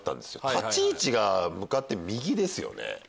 立ち位置が向かって右ですよね。